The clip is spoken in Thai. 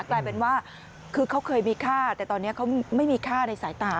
กลายเป็นว่าคือเขาเคยมีค่าแต่ตอนนี้เขาไม่มีค่าในสายตา